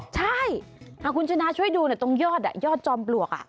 ใช่คุณชนะช่วยดูตรงยอดยอดจอมปลวก